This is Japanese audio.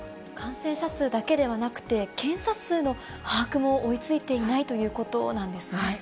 感染者数だけではなくて、検査数の把握も追いついていないということなんですね。